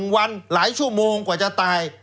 ๑วันหลายชั่วโมงกว่าจะตาย